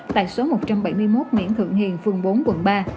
tại số một trăm bảy mươi một nguyễn thượng hiền phường bốn quận ba